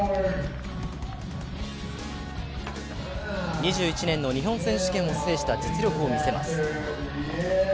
２１年の日本選手権を制した実力を見せます。